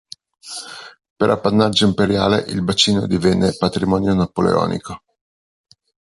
Per appannaggio imperiale, il bacino divenne patrimonio napoleonico.